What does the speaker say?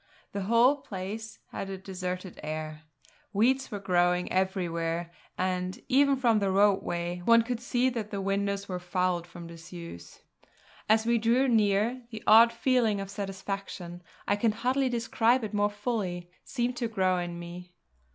The whole place had a deserted air; weeds were growing everywhere, and, even from the roadway, one could see that the windows were fouled from disuse. As we drew near, the odd feeling of satisfaction I can hardly describe it more fully seemed to grow in me.